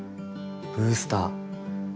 ブースター。